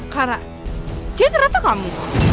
clara jadi kenapa kamu